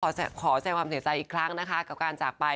ขอแสดงความเสียใจอีกครั้งนะคะกับการจากไป